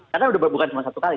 karena sudah bukan cuma satu kali